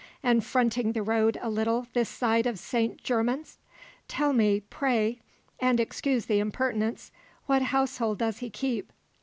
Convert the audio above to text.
And fronting the road a little this side of St. Germans? Tell me, pray and excuse the impertinence what household does he keep?"